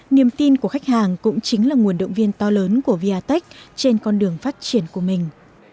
niềm tin của khách hàng cũng chính là nguồn động viên to lớn của vietch trên con đường phát triển của mình